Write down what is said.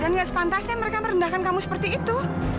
dan gak sepantasnya mereka merendahkan kamu seperti itu